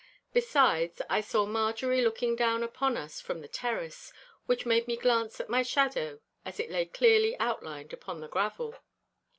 Besides, I saw Marjorie looking down upon us from the terrace, which made me glance at my shadow as it lay clearly outlined upon the gravel.